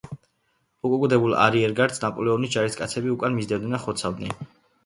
უკუგდებულ არიერგარდს ნაპოლეონის ჯარისკაცები უკან მისდევდნენ და ხოცავდნენ.